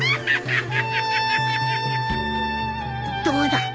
どうだ！